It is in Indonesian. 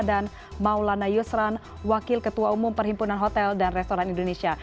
dan maulana yusran wakil ketua umum perhimpunan hotel dan restoran indonesia